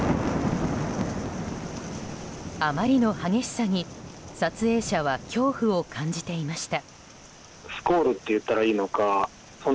あまりの激しさに撮影者は恐怖を感じていました。